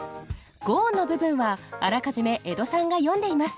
五音の部分はあらかじめ江戸さんが詠んでいます。